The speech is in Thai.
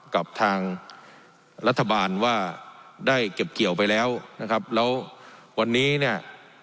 กับทางรัฐบาลว่าได้เก็บเกี่ยวไปแล้วนะครับแล้ววันนี้เนี่ย